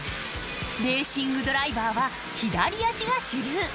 レーシングドライバーは左足が主流。